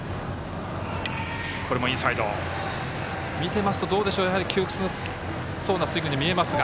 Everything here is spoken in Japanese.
見てますと、窮屈そうなスイングに見えますか？